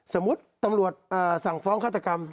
สมมุติตำรวจสั่งฟ้องฆาตกรรม